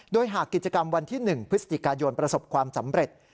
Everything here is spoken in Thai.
โดยหากกิจกรรมวันที่๑พฤศจิกายนประสบความสำเร็จ